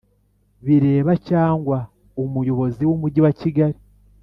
bireba cyangwa Umuyobozi w Umujyi wa Kigali